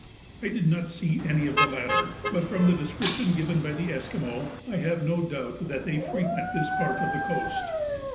I did not see any of the latter, but from the description given by the Esquimaux I have no doubt that they frequent this part of the coast.